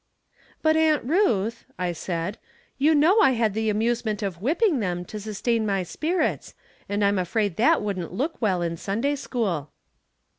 " But, Aunt Ruth," I said, " you know I had the amusement of whipping them to sustain my spirits, and I'm afraid that wouldn't look well in Sunday school."